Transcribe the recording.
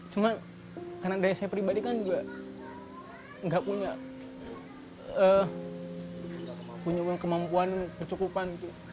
cuma karena daya saya pribadi kan juga nggak punya kemampuan kecukupan